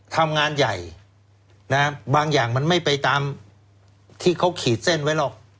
ทำงานใหญ่บางอย่างมันไม่ไปตามที่เขาขีดเส้นไว้หรอก